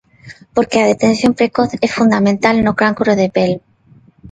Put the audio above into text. Porque a detección precoz é fundamental no cancro de pel.